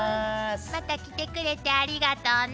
また来てくれてありがとうね。